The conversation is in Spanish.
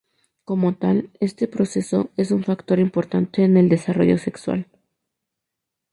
Como tal, este proceso es un factor importante en el desarrollo sexual.